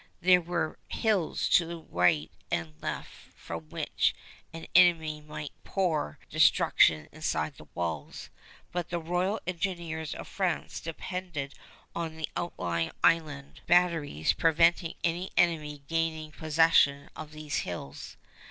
There were hills to right and left from which an enemy might pour destruction inside the walls, but the royal engineers of France depended on the outlying island batteries preventing any enemy gaining possession of these hills.